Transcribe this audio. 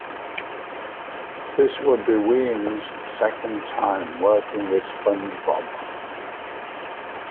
This would be Ween's second time working with SpongeBob.